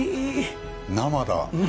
生だ。